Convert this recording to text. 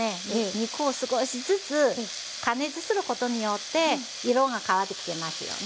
肉を少しずつ加熱することによって色が変わってきてますよね。